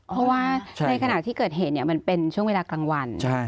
เพราะว่าในขณะที่เกิดเหตุมันเป็นช่วงเวลากลางวัน